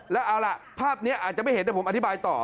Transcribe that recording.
แล้วเอาล่ะภาพนี้อาจจะไม่เห็นแต่ผมอธิบายต่อ